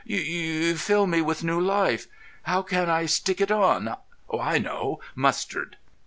"You—fill me with new life. How can I stick it on? I know. Mustard!"